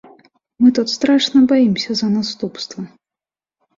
Мы тут страшна баімся за наступствы.